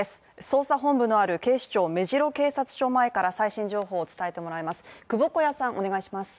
捜査本部のある警視庁目白警察署前から最新情報を伝えてもらいます。